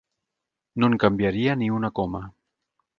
No en canviaria ni una coma.